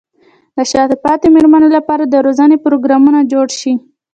د شاته پاتې مېرمنو لپاره د روزنې پروګرامونه جوړ شي.